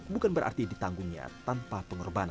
bukan berarti ditanggungnya tanpa pengorbanan